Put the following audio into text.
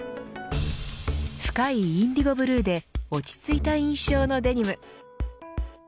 深いインディゴブルーで落ち着いた印象のデニム。